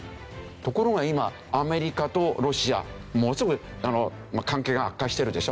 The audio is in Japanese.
ところが今アメリカとロシアものすごい関係が悪化してるでしょ？